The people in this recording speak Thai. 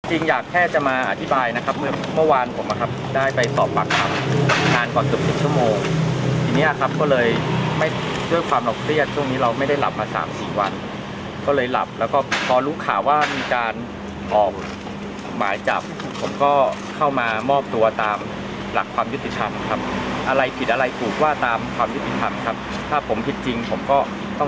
จริงอยากแค่จะมาอธิบายนะครับเมื่อเมื่อวานผมนะครับได้ไปสอบปากคำนานกว่าเกือบสิบชั่วโมงทีเนี้ยครับก็เลยไม่ด้วยความเราเครียดช่วงนี้เราไม่ได้หลับมาสามสี่วันก็เลยหลับแล้วก็พอรู้ข่าวว่ามีการออกหมายจับผมก็เข้ามามอบตัวตามหลักความยุติธรรมครับอะไรผิดอะไรถูกว่าตามความยุติธรรมครับถ้าผมผิดจริงผมก็ต้อง